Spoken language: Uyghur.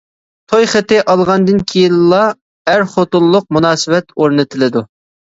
توي خېتى ئالغاندىن كېيىنلا ئەر-خوتۇنلۇق مۇناسىۋەت ئورنىتىلىدۇ.